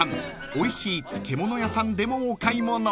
おいしい漬物屋さんでもお買い物］